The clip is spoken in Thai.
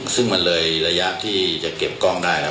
ซึ่งมันเลยระยะที่จะเก็บกล้องได้แล้ว